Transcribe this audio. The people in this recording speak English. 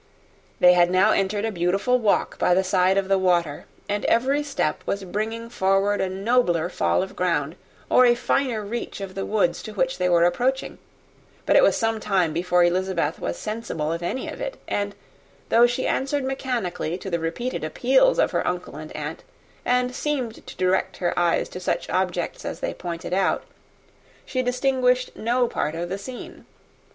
They had now entered a beautiful walk by the side of the water, and every step was bringing forward a nobler fall of ground, or a finer reach of the woods to which they were approaching: but it was some time before Elizabeth was sensible of any of it; and, though she answered mechanically to the repeated appeals of her uncle and aunt, and seemed to direct her eyes to such objects as they pointed out, she distinguished no part of the scene.